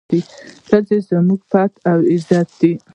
ښځه زموږ پت او عزت دی.